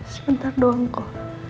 sebentar doang kok